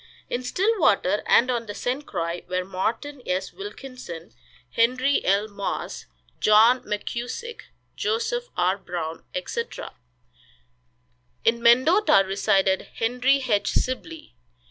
In Stillwater and on the St. Croix were Morton S. Wilkinson, Henry L. Moss, John McKusick, Joseph R. Brown, etc. In Mendota resided Henry H. Sibley.